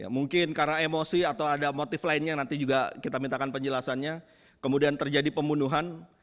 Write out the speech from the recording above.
mungkin karena emosi atau ada motif lainnya nanti juga kita mintakan penjelasannya kemudian terjadi pembunuhan